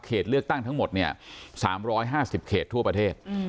เลือกตั้งทั้งหมดเนี่ย๓๕๐เขตทั่วประเทศ